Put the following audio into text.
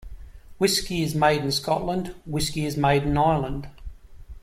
Whisky is made in Scotland; whiskey is made in Ireland.